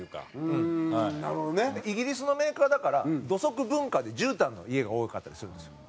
うーんなるほどね。イギリスのメーカーだから土足文化でじゅうたんの家が多かったりするんですよ。